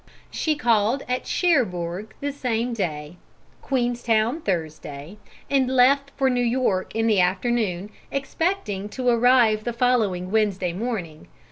She called at Cherbourg the same day, Queenstown Thursday, and left for New York in the afternoon, expecting to arrive the following Wednesday morning.